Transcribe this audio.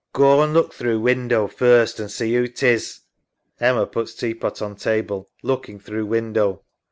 Goa an' look through window first, an' see who 'tis. EMMA (puts tea pot on table. Looking through window).